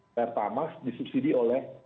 pertamaks disubsidi oleh